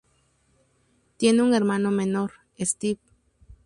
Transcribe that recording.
Tiene un hermano menor, Steve.